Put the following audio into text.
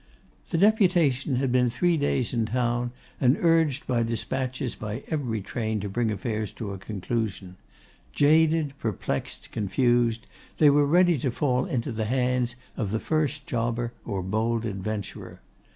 The deputation had been three days in town, and urged by despatches by every train to bring affairs to a conclusion; jaded, perplexed, confused, they were ready to fall into the hands of the first jobber or bold adventurer.